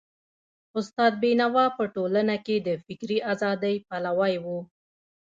استاد بينوا په ټولنه کي د فکري ازادۍ پلوی و.